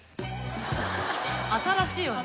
新しいわね。